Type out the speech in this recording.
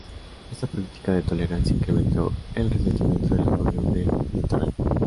Esta política de tolerancia incrementó el resentimiento de los pueblos del Litoral.